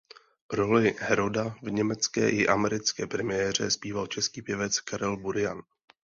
Roli Heroda v německé i americké premiéře zpíval český pěvec Karel Burian.